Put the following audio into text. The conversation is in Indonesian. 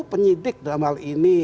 penyidik dalam hal ini